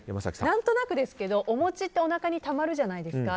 何となくですけどお餅っておなかにたまるじゃないですか。